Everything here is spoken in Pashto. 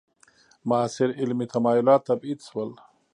معاصر علمي تمایلات تبعید شول.